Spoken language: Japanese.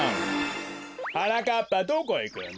はなかっぱどこへいくんだ？